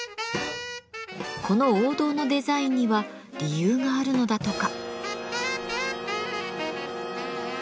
この王道のデザインには理由があるのだとか。